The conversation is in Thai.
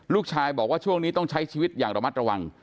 ลูกชายบอกว่าช่วงนี้ต้องใช้ชีวิตอย่างระมัดระวัง